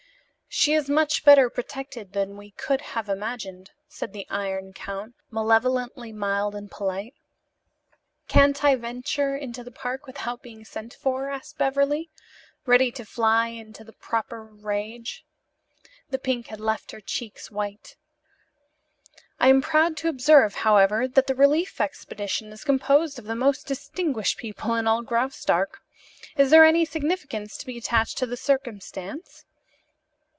"She is much better protected than we could have imagined," said the Iron Count, malevolently mild and polite. "Can't I venture into the park without being sent for?" asked Beverly, ready to fly into the proper rage. The pink had left her cheeks white. "I am proud to observe, however, that the relief expedition is composed of the most distinguished people in all Graustark. Is there any significance to be attached to the circumstance?"